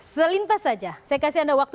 selintas saja saya kasih anda waktu